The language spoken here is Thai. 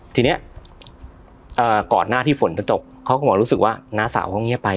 ทีนี้ก่อนหน้าที่ฝนจะตกเขาก็บอกรู้สึกว่าน้าสาวเขาเงียบไป